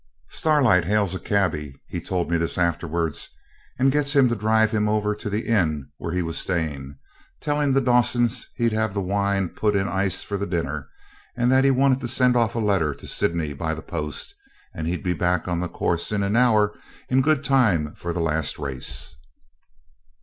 Starlight hails a cabby (he told me this afterwards) and gets him to drive him over to the inn where he was staying, telling the Dawsons he'd have the wine put in ice for the dinner, that he wanted to send off a letter to Sydney by the post, and he'd be back on the course in an hour in good time for the last race.